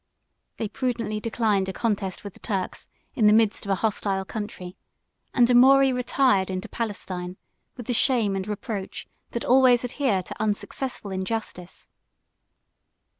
They prudently declined a contest with the Turks in the midst of a hostile country; and Amaury retired into Palestine with the shame and reproach that always adhere to unsuccessful injustice.